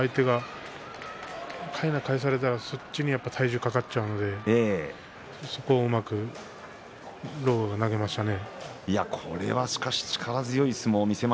かいなを返されたらそっちに体重がいってしまうのでそこをうまく狼雅が投げましたね。